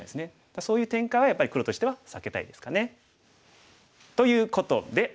そういう展開はやっぱり黒としては避けたいですかね。ということで。